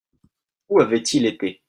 Où avait-il été ?